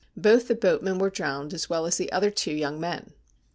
Both the boatmen were drowned as well as the other two young men.